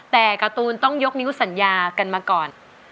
แต่การ์ตูนต้องยกนิ้วสัญญากันมาก่อน